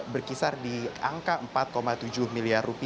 berkisar di angka rp empat tujuh miliar